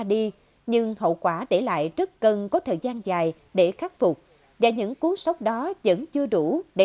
đi nhưng hậu quả để lại rất cần có thời gian dài để khắc phục và những cuốn sốc đó vẫn chưa đủ để